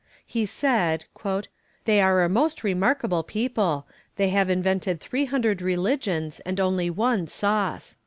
He said: "They are a most remarkable people; they have invented three hundred religions and only one sauce."